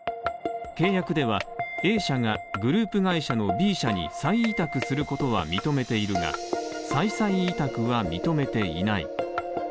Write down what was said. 契約ではＡ社がグループ会社のＢ社に再委託することは認めているが、再々委託は認めていない。